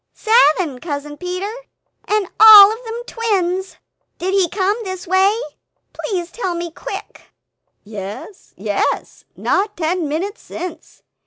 "Seven, Cousin Peter, and all of them twins! Did he come this way? Please tell me quick!" "Yes, yes; not ten minutes since